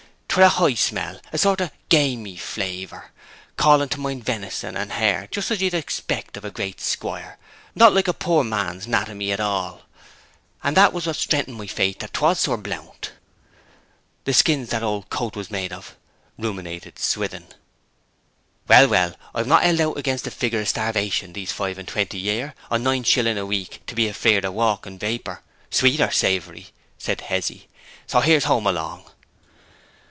'Twere a high smell, a sort of gamey flaviour, calling to mind venison and hare, just as you'd expect of a great squire, not like a poor man's 'natomy, at all; and that was what strengthened my faith that 'twas Sir Blount.' ('The skins that old coat was made of,' ruminated Swithin.) 'Well, well; I've not held out against the figure o' starvation these five and twenty year, on nine shillings a week, to be afeard of a walking vapour, sweet or savoury,' said Hezzy. 'So here's home along.'